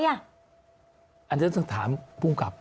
อันนั้นคือต้องถามพูมกับ